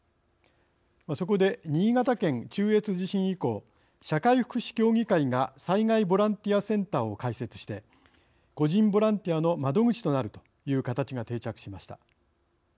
そこで新潟県中越地震以降社会福祉協議会が災害ボランティアセンターを開設して個人ボランティアの窓口となるという形が定着しました。